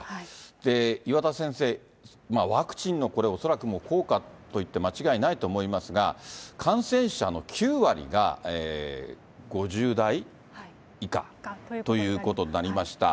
で、岩田先生、ワクチンのこれ、恐らくもう効果といって間違いないと思いますが、感染者の９割が５０代以下ということになりました。